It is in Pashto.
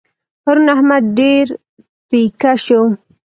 پرون احمد ډېر پيکه شو.